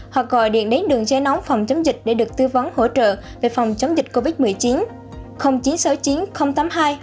hoặc gọi điện đến đường chế nóng phòng chống dịch để được tư vấn hỗ trợ về phòng chống dịch covid một mươi chín